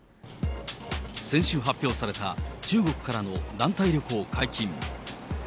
先週発表された中国からの団体旅行解禁。